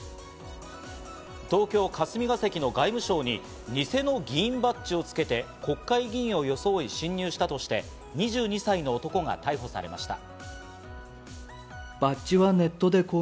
東京・霞ヶ関の外務省にニセの議員バッジをつけて国会議員を装い侵入したとして、２２歳の男が逮捕されました。